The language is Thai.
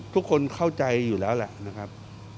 ทุกคนเข้าใจอยู่แล้วแหละนะครับ